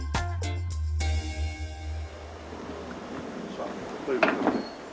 さあという事でね。